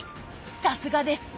さすがです。